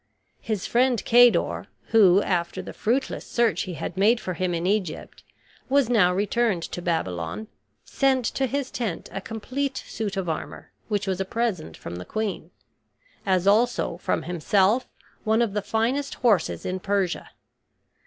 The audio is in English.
His friend Cador, who, after the fruitless search he had made for him in Egypt, was now returned to Babylon, sent to his tent a complete suit of armor, which was a present from the queen; as also, from himself, one of the finest horses in Persia.